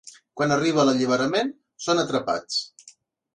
Quan arriba l'Alliberament, són atrapats.